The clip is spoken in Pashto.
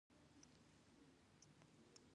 بښنه غواړم نن ورځ ناوخته شو.